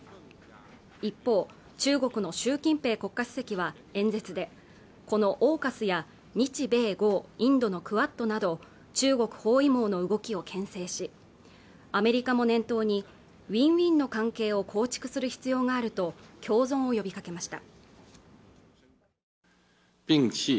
一方中国の習近平国家主席は演説でこのをＡＵＫＵＳや日米豪インドのクアッドなど中国包囲網の動きをけん制しアメリカも念頭にウィンウィンの関係を構築する必要があると共存を呼びかけました